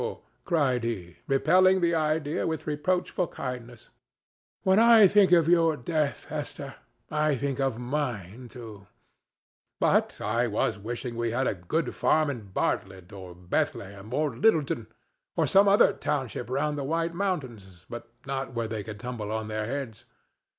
cried he, repelling the idea with reproachful kindness. "When I think of your death, Esther, I think of mine too. But I was wishing we had a good farm in Bartlett or Bethlehem or Littleton, or some other township round the White Mountains, but not where they could tumble on our heads.